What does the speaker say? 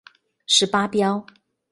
十八標